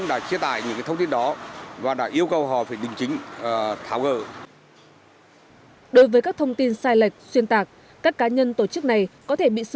đối với các thông tin sai lệch xuyên tạc các cá nhân tổ chức này có thể bị xử lý